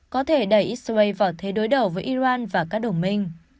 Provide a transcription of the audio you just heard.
có thể đẩy israel vào thế đối đầu với iran và các đồng minh